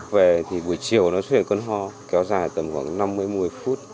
về thì buổi chiều nó xuất hiện cơn ho kéo dài tầm khoảng năm mươi một mươi phút